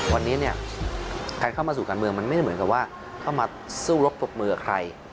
วันนี้เนี่ยการเข้ามาสู่การเมืองมันไม่ได้เหมือนกับว่าเข้ามาสู้รบตบมือกับใคร